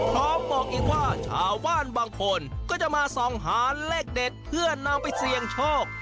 บอกอีกว่าชาวบ้านบางคนก็จะมาส่องหาเลขเด็ดเพื่อนำไปเสี่ยงโชค